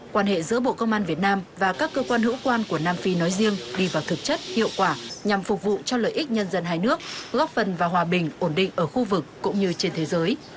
quan hệ giữa bộ công an việt nam và các cơ quan hữu quan của nam phi nói riêng đi vào thực chất hiệu quả nhằm phục vụ cho lợi ích nhân dân hai nước góp phần vào hòa bình ổn định ở khu vực cũng như trên thế giới